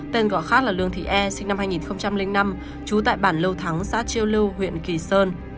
tên gọi khác là lương thị e sinh năm hai nghìn năm trú tại bản lưu thắng xã chiêu lưu huyện kỳ sơn